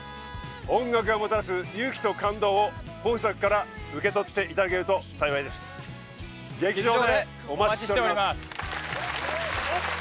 音楽がもたらす勇気と感動を本作から受け取っていただけると幸いです劇場でお待ちしております